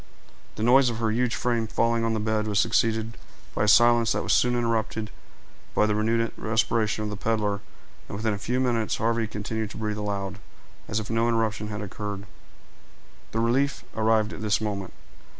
The noise of her huge frame falling on the bed was succeeded by a silence that was soon interrupted by the renewed respiration of the peddler, and within a few minutes Harvey continued to breathe aloud, as if no interruption had occurred. The relief arrived at this moment.